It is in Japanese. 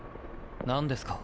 何ですか。